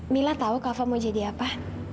mila tahu kava mau jadi apa